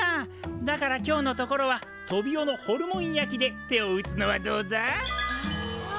だから今日のところはトビオのホルモン焼きで手を打つのはどうだ？